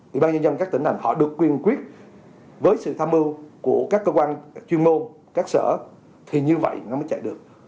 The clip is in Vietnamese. thì bao nhiêu dân các tỉnh này họ được quyên quyết với sự tham mưu của các cơ quan chuyên môn các sở thì như vậy nó mới chạy được